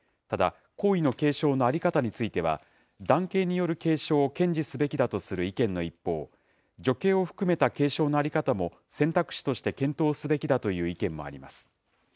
ただ、皇位の継承の在り方については、男系による継承を堅持すべきだとする意見の一方、女系を含めた継承の在り方も選択肢として検討すべきだという意見もあります。